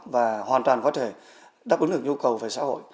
và hoàn toàn có thể đáp ứng được nhu cầu về xã hội